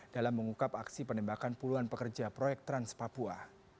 dalam mengungkap aksi penembakan puluhan pekerja proyek trans papua